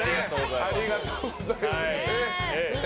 ありがとうございます。